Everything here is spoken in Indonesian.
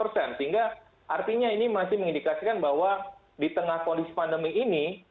sehingga artinya ini masih mengindikasikan bahwa di tengah kondisi pandemi ini